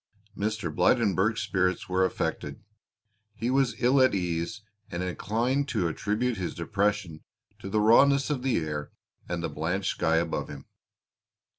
Mr. Blydenburg's spirits were affected; he was ill at ease and inclined to attribute his depression to the rawness of the air and the blanched sky above him.